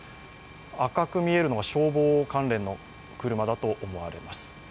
赤く見えるのが消防関連の車だと思われます。